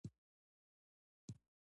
زۀ غواړم خوب وکړم!